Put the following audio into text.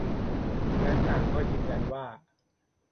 และต่างก็ยืนยันว่า